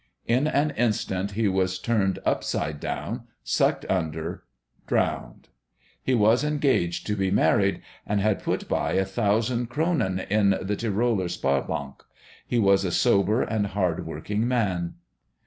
In an instant he was turned upside down, sucked under, drowned. He was engaged to be married, and had put by a thousand kronen in the Tiroler Sparbank. He was a sober and hard working man....